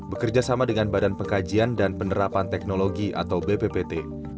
bekerjasama dengan badan pengkajian dan penerapan teknologi atau bppt